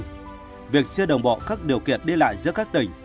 tuy nhiên việc xưa đồng bộ các điều kiện đi lại giữa các tỉnh